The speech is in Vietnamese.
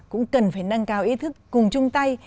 cũng cần phải nâng cao ý thức cùng chung tay